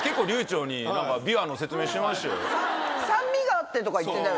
「酸味が」ってとか言ってたよね。